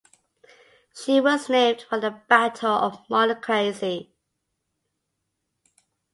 She was named for the Battle of Monocacy.